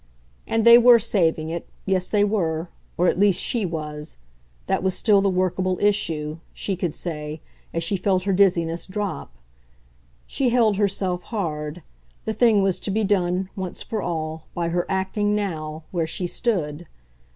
And they were saving it yes, they were, or at least she was: that was still the workable issue, she could say, as she felt her dizziness drop. She held herself hard; the thing was to be done, once for all, by her acting, now, where she stood.